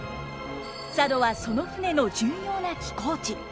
佐渡はその船の重要な寄港地。